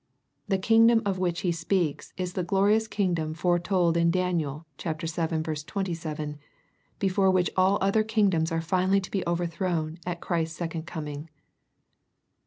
The kingdom of which he speaks, is the glorious kingdom foretold in Daniel vii. 27, before which all other kingdoms are finally to be overthrown at Christ's second coming.